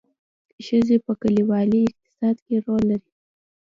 ښځې په کلیوالي اقتصاد کې رول لري